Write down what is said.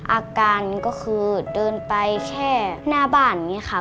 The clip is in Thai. อาการก็คือเดินไปแค่หน้าบ้านอย่างนี้ค่ะ